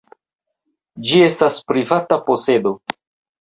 Ĝi estas privata posedo.